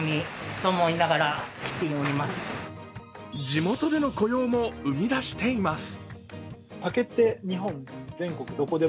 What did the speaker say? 地元での雇用も生み出しています。